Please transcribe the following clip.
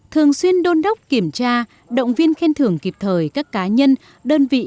thường xuyên đôn đốc kiểm tra động viên khen thưởng kịp thời các cá nhân đơn vị